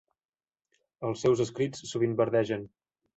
Els seus escrits sovint verdegen.